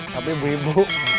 tapi bu ibu